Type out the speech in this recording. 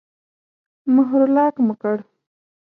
مهر او لاک مو کړل.